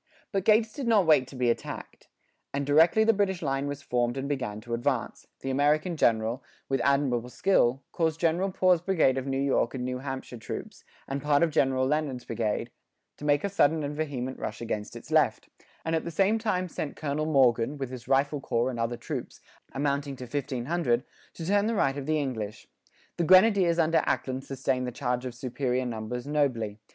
But Gates did not wait to be attacked; and directly the British line was formed and began to advance, the American general, with admirable skill, caused General Poor's brigade of New York and New Hampshire troops, and part of General Leonard's brigade, to make a sudden and vehement rush against its left, and at the same time sent Colonel Morgan, with his rifle corps and other troops, amounting to 1,500, to turn the right of the English. The grenadiers under Ackland sustained the charge of superior numbers nobly.